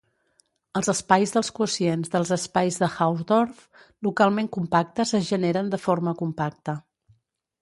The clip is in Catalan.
Els espais dels quocients dels espais de Hausdorff localment compactes es generen de forma compacte.